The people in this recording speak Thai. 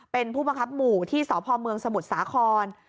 เป็นผู้บังคับหมู่ที่สพเมืองสมุทรสาคร